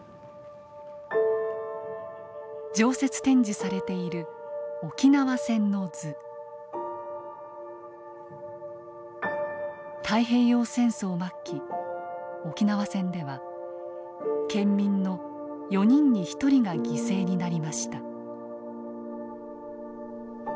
常設展示されている太平洋戦争末期沖縄戦では県民の４人に１人が犠牲になりました。